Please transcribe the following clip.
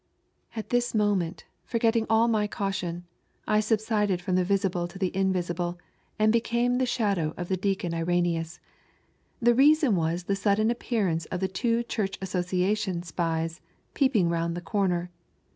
..." At this moment, forgetting all my caution, I sub sided from the visible to the invisible, and became the shadow of the deacon Irennaus. The reason waa the sudden appearance of the two Church Aaaoeiation spies, peeping round the corner.